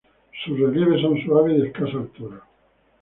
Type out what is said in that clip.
Sus relieves son suaves y de escasa altura.